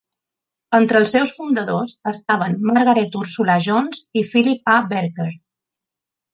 Entre els seus fundadors estaven Margaret Ursula Jones i Phillip A. Barker.